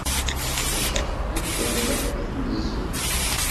Sseqdaceɣ Internet i tnezzut.